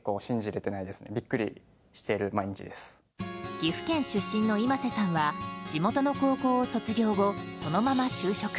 岐阜県出身のｉｍａｓｅさんは地元の高校を卒業後そのまま就職。